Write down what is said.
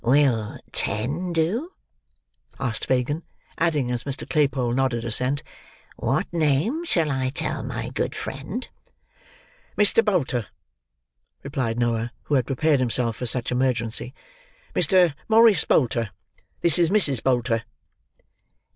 "Will ten do?" asked Fagin, adding, as Mr. Claypole nodded assent, "What name shall I tell my good friend." "Mr. Bolter," replied Noah, who had prepared himself for such emergency. "Mr. Morris Bolter. This is Mrs. Bolter."